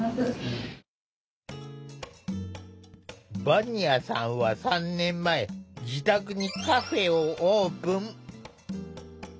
ヴァニアさんは３年前自宅にカフェをオープン。